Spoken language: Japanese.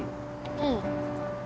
うん。